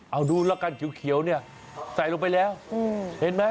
เอาดูละกันเขียวเนี่ยใส่ลงไปแล้วเห็นไหม